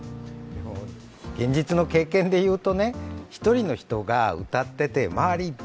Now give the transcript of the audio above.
現実の経験でいうと１人の人が歌ってて周り